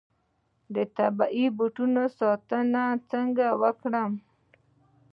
د طبیعي بوټو ساتنه څنګه وکړم؟